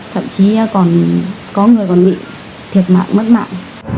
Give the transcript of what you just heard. thậm chí còn có người còn bị thiệt mạng mất mạng